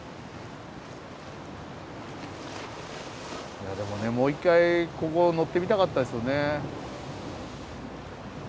いやでもねもう一回ここ乗ってみたかったですよね。